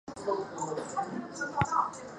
崔彦曾在大中后期任诸州刺史。